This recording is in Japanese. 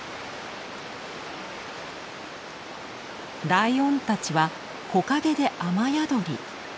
ライオンたちは木陰で雨宿り。